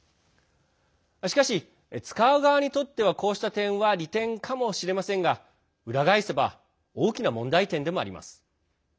しかし、使う側にとってはこうした点は利点かもしれませんが裏返せば大きな問題点でもあります。